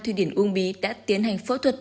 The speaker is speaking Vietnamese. tp uông bí đã tiến hành phẫu thuật